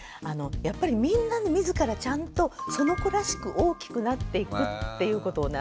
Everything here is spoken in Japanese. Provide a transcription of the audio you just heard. やっぱりみんな自らちゃんとその子らしく大きくなっていくっていうことをね